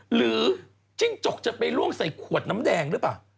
จิ้งจกจะไปล่วงใส่ขวดน้ำแดงหรือเปล่า